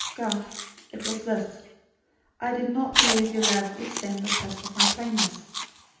Garth it was this. I did not believe your love would stand the test of my plainness.